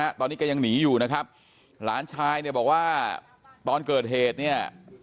ตอนนี้แกยังหนีอยู่นะครับหลานชายเนี่ยบอกว่าตอนเกิดเหตุเนี่ย